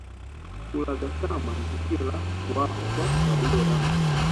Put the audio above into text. Kulagasama ni tukio la kuagwa kwa waliooana